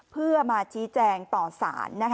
เพื่อมาชี้แจงต่อสาร